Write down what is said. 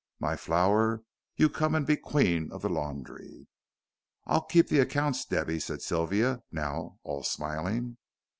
My flower, you come an' be queen of the laundry." "I'll keep the accounts, Debby," said Sylvia, now all smiling.